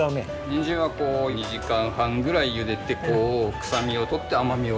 にんじんはこう２時間半ぐらいゆでて臭みを取って甘みを凝縮させる。